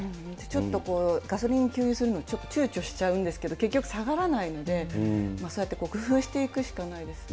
ちょっと、ガソリン給油するのをちょっとちゅうちょしちゃうんですけど、結局下がらないので、そうやって工夫していくしかないですよね。